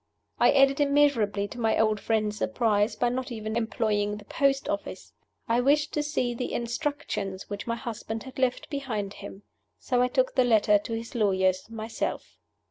I added immeasurably to my old friend's surprise by not even employing the post office. I wished to see the "instructions" which my husband had left behind him. So I took the letter to his lawyers myself.